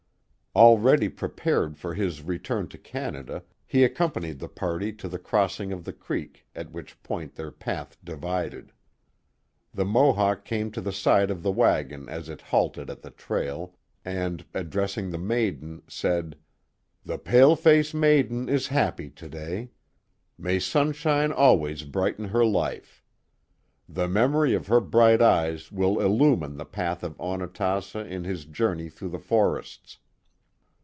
Already prepared for his return to Canada, he accompanied the party to the crossing of the creek, at which point their path divided. The Mohawk came to the side of the wagon as it halted at the trail, and, addressing the maiden, said: The paleface maiden is happy to day. May sunshine always brighten her life. The memory of her bright eyes will illumine the path of Onatassa in his journey through the forests."